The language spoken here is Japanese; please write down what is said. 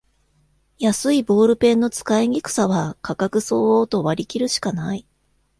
安いボールペンの使いにくさは価格相応と割りきるしかない